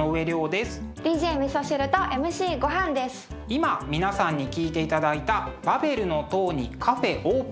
今皆さんに聴いていただいた「バベルの塔にカフェＯＰＥＮ」。